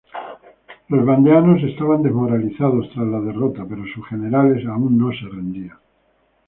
Los vandeanos estaban desmoralizados tras la derrota, pero sus generales aún no se rendían.